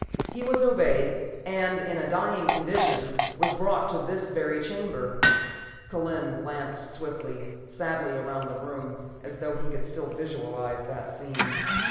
He was obeyed, and, in a dying condition, was brought to this very chamber." Kellen glanced swiftly, sadly, around the room, as though he could still visualize that scene.